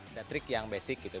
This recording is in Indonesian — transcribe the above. ada trik yang basic gitu